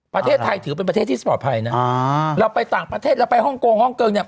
ประเทศไทยถือเป็นประเทศที่ปลอดภัยนะเราไปต่างประเทศเราไปฮ่องกงฮ่องเกิงเนี่ย